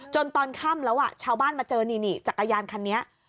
ตอนค่ำแล้วชาวบ้านมาเจอนี่จักรยานคันนี้